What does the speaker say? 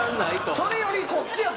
それよりこっちやと。